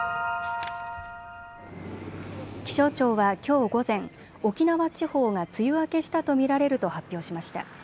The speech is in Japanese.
気象庁はきょう午前、沖縄地方が梅雨明けしたと見られると発表しました。